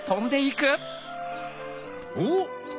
おっ！